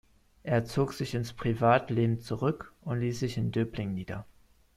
Er zog sich ins Privatleben zurück und ließ sich in Döbling nieder.